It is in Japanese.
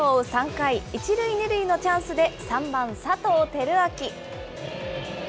３回、１塁２塁のチャンスで３番佐藤輝明。